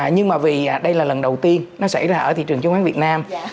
nhưng mà vì đây là lần đầu tiên nó xảy ra ở thị trường chứng khoán việt nam